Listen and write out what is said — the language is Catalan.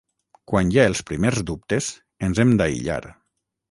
Quan hi ha els primers dubtes, ens hem d’aïllar.